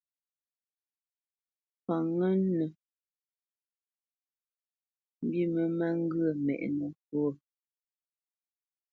Kwǎnŋə́nə mbî mə má ŋgyə̂ mɛ́ʼnə́ ghô.